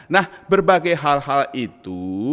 nah berbagai hal hal itu